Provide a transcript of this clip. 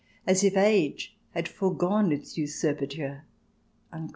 as if Age had forgone its usurpature."